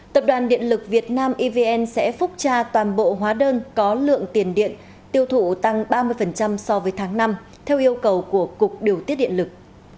tập đoàn điện lực việt nam evn sẽ phúc tra toàn bộ hóa đơn có lượng tiền điện tiêu thụ tăng ba mươi so với tháng năm theo yêu cầu của cục điều tiết điện lực